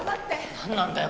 何なんだよ